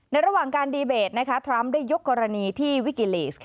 ระหว่างการดีเบตทรัมป์ได้ยกกรณีที่วิกิลีส